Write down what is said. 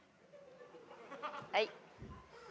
はい。